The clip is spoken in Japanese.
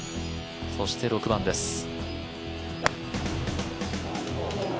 そして６番です